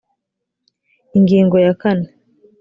ingingo ya kane